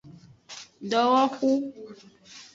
Dowohu.